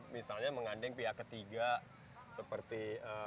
misalnya mengandeng pihak ketiga seperti